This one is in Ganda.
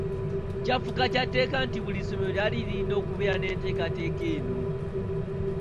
Kyafuuka kya tteeka nti buli ssomero lyali lirina okubeera n’enteekateeka eno.